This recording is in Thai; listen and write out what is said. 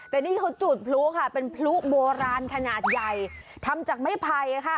แต่นี่เขาจุดพลุค่ะเป็นพลุโบราณขนาดใหญ่ทำจากไม้ไผ่ค่ะ